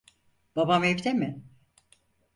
Babam evde mi?